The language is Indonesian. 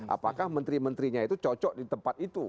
apakah menteri menterinya itu cocok di tempat itu